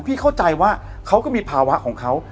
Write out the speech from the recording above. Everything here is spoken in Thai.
เข้าใจว่าเขาก็มีภาวะของเขา